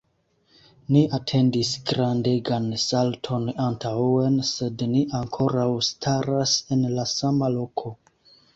Ni atendis grandegan salton antaŭen, sed ni ankoraŭ staras en la sama loko.